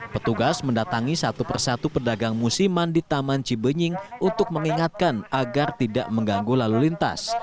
petugas mendatangi satu persatu pedagang musiman di taman cibenying untuk mengingatkan agar tidak mengganggu lalu lintas